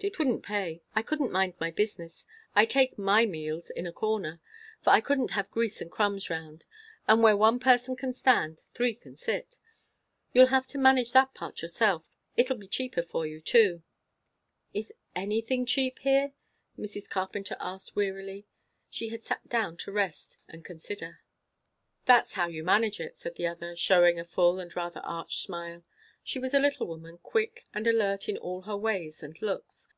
"It wouldn't pay. I couldn't mind my business. I take my meals in a corner; for I couldn't have grease and crumbs round; but where one person can stand, three can't sit. You'll have to manage that part yourself. It'll be cheaper for you, too." "Is anything cheap here?" Mrs. Carpenter asked wearily. She had sat down to rest and consider. "That's how you manage it," said the other, shewing a full and rather arch smile. She was a little woman, quick and alert in all her ways and looks.